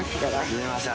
すいません